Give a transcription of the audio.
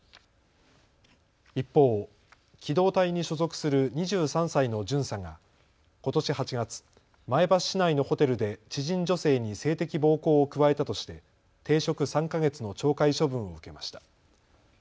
一方、機動隊に所属する２３歳の巡査がことし８月、前橋市内のホテルで知人女性に性的暴行を加えたとして停職３か月の懲戒処分を受けました。